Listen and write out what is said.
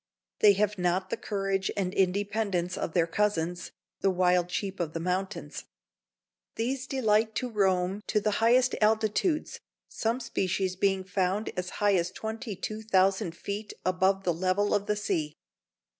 They have not the courage and independence of their cousins, the wild sheep of the mountains. These delight to roam to the highest altitudes, some species being found as high as 22,000 feet above the level of the sea.